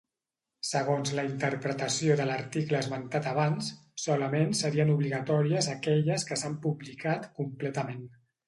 Segons la interpretació de l'article esmentat abans, solament serien obligatòries aquelles que s'han publicat completament.